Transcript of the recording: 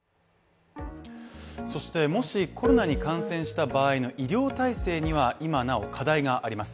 そしてもしコロナに感染した場合の医療体制には今なお課題があります